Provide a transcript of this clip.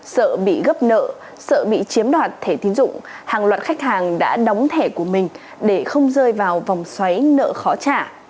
sợ bị gấp nợ sợ bị chiếm đoạt thẻ tiến dụng hàng loạt khách hàng đã đóng thẻ của mình để không rơi vào vòng xoáy nợ khó trả